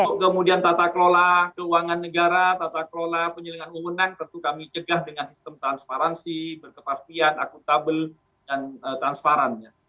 untuk kemudian tata kelola keuangan negara tata kelola penyelenggaraan wewenang tentu kami cegah dengan sistem transparansi berkepastian akuntabel dan transparan